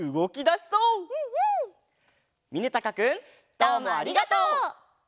どうもありがとう！